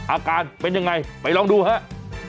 อาการเป็นยังไงไปลองดูครับ